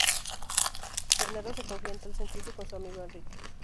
Bernardo se confía en tal sentido con su amigo Enrique.